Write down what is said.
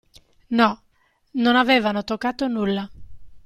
No, non avevano toccato nulla.